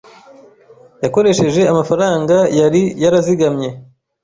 Yakoresheje amafaranga yari yarazigamye.